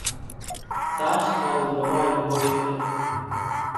ساش ۿارُو روايو هوئيَ سي۔